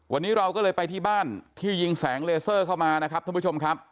วันนี้เราก็เลยไปที่บ้านที่ยิงแสงเลเซอร์เข้ามานะครับท่านผู้ชมครับ